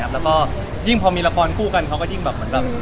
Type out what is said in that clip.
แล้วก็ยิ่งพอมีละครคู่กันเขาก็ยิ่งแบบ